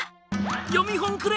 読本くれ！